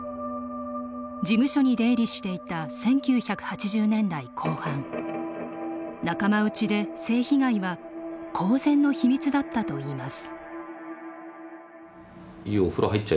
事務所に出入りしていた１９８０年代後半仲間内で性被害は公然の秘密だったといいます。